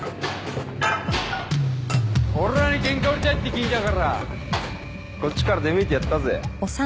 俺らにケンカ売りたいって聞いたからこっちから出向いてやったぜ。